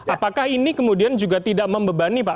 apakah ini kemudian juga tidak membebani pak